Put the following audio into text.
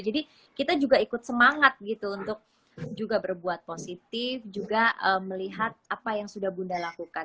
jadi kita juga ikut semangat gitu untuk juga berbuat positif juga melihat apa yang sudah bunda lakukan